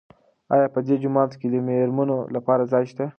آیا په دې جومات کې د مېرمنو لپاره ځای شته؟